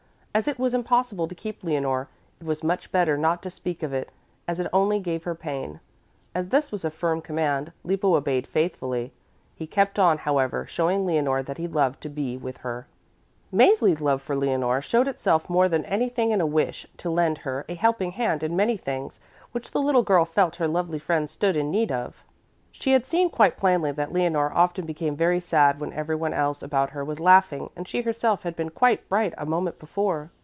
As it was impossible to keep Leonore, it was much better not to speak of it, as it only gave her pain. As this was a firm command, Lippo obeyed faithfully. He kept on, however, showing Leonore that he loved to be with her. Mäzli's love for Leonore showed itself more than anything in a wish to lend her a helping; hand in many things which the little girl felt her lovely friend stood in need of. She had seen quite plainly that Leonore often became very sad when everyone else about her was laughing and she herself had been quite bright a moment before.